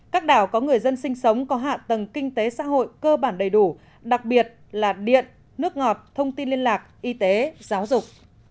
các đảo có người dân sinh sống có hạ tầng kinh tế xã hội cơ bản đầy đủ đặc biệt là điện nước ngọt thông tin liên lạc y tế giáo dục